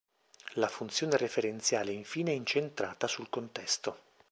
La funzione referenziale infine è incentrata sul contesto.